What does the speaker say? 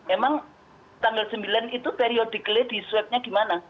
emang tanggal sembilan itu periodik leh diswebnya gimana